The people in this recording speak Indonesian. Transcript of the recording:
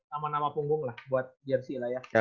sama nama punggung lah buat jersey lah ya